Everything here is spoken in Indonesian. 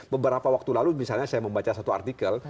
beberapa waktu lalu misalnya saya membaca satu artikel